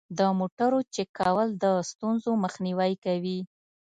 د موټرو چک کول د ستونزو مخنیوی کوي.